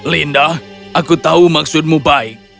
linda aku tahu maksudmu baik